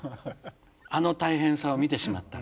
あの大変さを見てしまったら。